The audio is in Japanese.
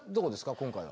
今回は。